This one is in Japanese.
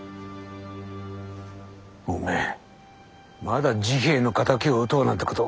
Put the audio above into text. おめえまだ治平の敵を討とうなんてこと。